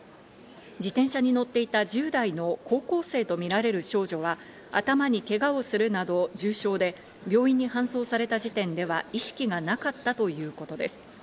自転車に乗っていた１０代の高校生とみられる少女は頭にけがをするなど重傷で、病院に搬送された時点では意識がなかったということです。